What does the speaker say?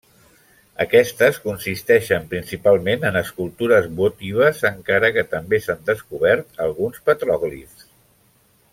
Aquestes consisteixen principalment en escultures votives, encara que també s'han descobert alguns petròglifs.